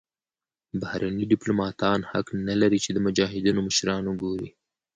بهرني دیپلوماتان حق نلري چې د مجاهدینو مشران وګوري.